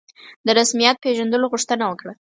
د رسمیت پېژندلو غوښتنه وکړه.